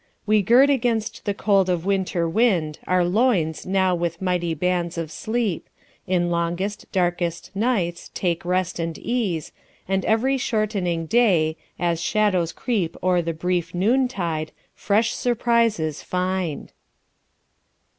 We gird against the cold of winter wind Our loins now with mighty bands of sleep, In longest, darkest nights take rest and ease, And every shortening day, as shadows creep O'er the brief noontide, fresh surprises find.